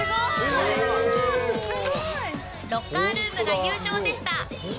ロッカールームが優勝でした。